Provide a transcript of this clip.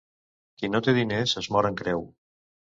Qui no té diners es mor en creu.